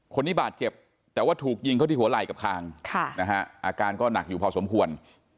คนนี้บาดเจ็บแต่ว่าถูกยิงเขาที่หัวไหล่กับคางอาการก็หนักอยู่พอสมควร